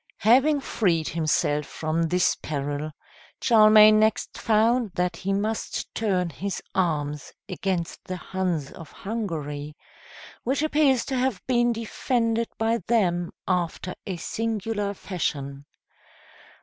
Having freed himself from this peril, Charlemagne next found that he must turn his arms against the Huns of Hungary, which appears to have been defended by them after a singular fashion.